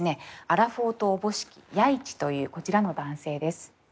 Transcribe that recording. アラフォーとおぼしき弥一というこちらの男性です。